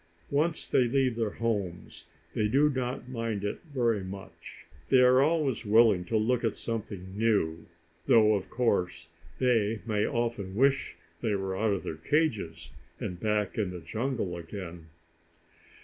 Once they leave their homes, they do not mind it very much. They are always willing to look at something new. Though, of course, they may often wish they were out of their cages, and back in the jungle again.